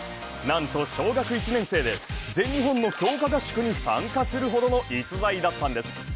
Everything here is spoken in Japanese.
なんと小学１年生で全日本の強化合宿に参加するほどの逸材だったのです。